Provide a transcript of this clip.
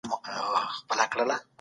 د لويي جرګې په اړه تاریخي څېړنه څوک کوي؟